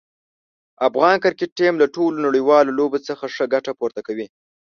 افغان کرکټ ټیم له ټولو نړیوالو لوبو څخه ښه ګټه پورته کوي.